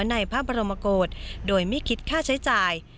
ในพระบรมกฏโดยไม่คิดค่าใช้จ่าย